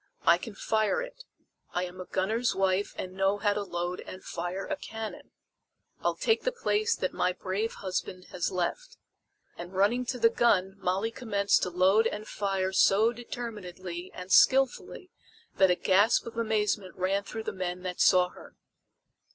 I can fire it. I am a gunner's wife and know how to load and fire a cannon. I'll take the place that my brave husband has left!" And running to the gun Molly commenced to load and fire so determinedly and skilfully that a gasp of amazement ran through the men that saw her.